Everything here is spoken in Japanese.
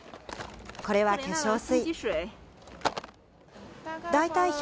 これは化粧水。